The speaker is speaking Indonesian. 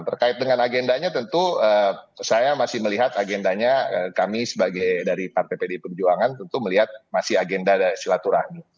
terkait dengan agendanya tentu saya masih melihat agendanya kami sebagai dari partai pdi perjuangan tentu melihat masih agenda silaturahmi